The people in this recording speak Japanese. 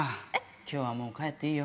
きょうはもう帰っていいよ。